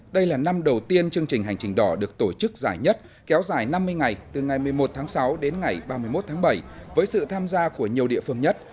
đây là năm đầu tiên chương trình hành trình đỏ được tổ chức dài nhất kéo dài năm mươi ngày từ ngày một mươi một tháng sáu đến ngày ba mươi một tháng bảy với sự tham gia của nhiều địa phương nhất